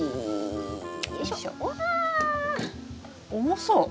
重そう。